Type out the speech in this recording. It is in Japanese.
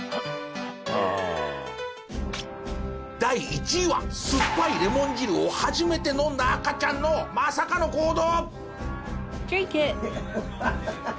第１位はすっぱいレモン汁を初めて飲んだ赤ちゃんのまさかの行動！